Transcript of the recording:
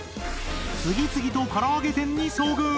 次々とから揚げ店に遭遇！